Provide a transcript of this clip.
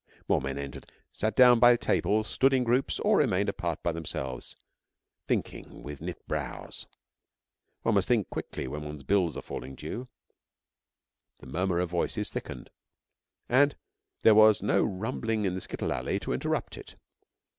More men entered, sat down by tables, stood in groups, or remained apart by themselves, thinking with knit brows. One must think quickly when one's bills are falling due. The murmur of voices thickened, and there was no rumbling in the skittle alley to interrupt it.